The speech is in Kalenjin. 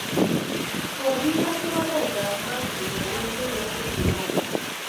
kokiyat oret ab maat kengete Kenya akoi Uganda